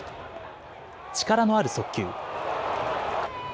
力のある速球。